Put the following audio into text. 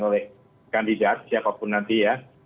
oleh kandidat siapapun nanti ya